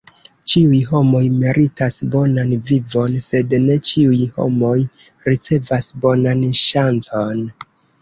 Ĉiuj homoj meritas bonan vivon, sed ne ĉiuj homoj ricevas bonan ŝancon.